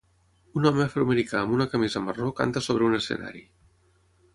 Un home afroamericà amb una camisa marró canta sobre un escenari.